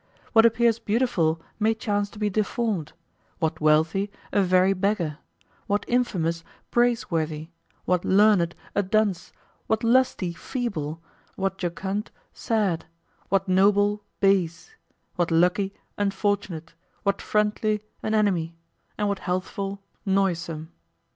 What appears beautiful may chance to be deformed; what wealthy, a very beggar; what infamous, praiseworthy; what learned, a dunce; what lusty, feeble; what jocund, sad; what noble, base; what lucky, unfortunate; what friendly, an enemy; and what healthful, noisome.